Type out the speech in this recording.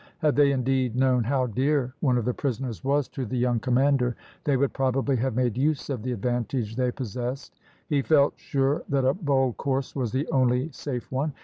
Had they, indeed, known how dear one of the prisoners was to the young commander, they would probably have made use of the advantage they possessed. He felt sure that a bold course was the only safe one.